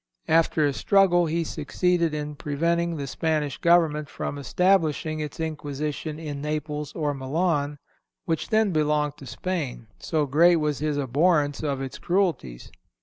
After a struggle he succeeded in preventing the Spanish government from establishing its Inquisition in Naples or Milan, which then belonged to Spain, so great was his abhorence of its cruelties.